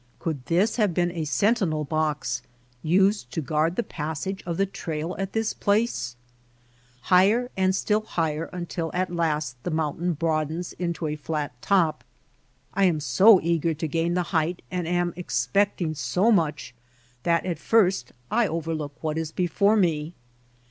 Could this have been a sentinel box used to guard the passage of the trail at this place ? Higher and still higher until at last the mountain broadens into a flat top. I am so eager to gain the height and am expecting so much that at first I overlook what is before me.